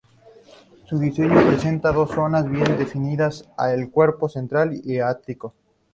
Su diseño presenta dos zonas bien definidas: el cuerpo central y el ático.